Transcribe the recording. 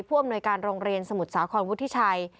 อำนวยการโรงเรียนสมุทรสาครวุฒิชัย